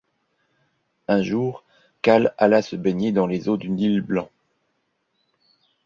Un jour Cal alla se baigner dans les eaux du Nil Blanc.